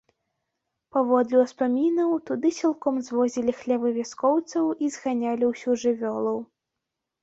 Паводле ўспамінаў, туды сілком звозілі хлявы вяскоўцаў і зганялі ўсю жывёлу.